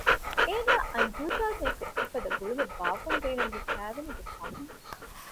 އޭނާ އަންޖޫދާއާއެކު އެފަދަ ގުޅުމެއް ބާއްވަން ބޭނުންވީ ކައިވެނީގެ ފަހުން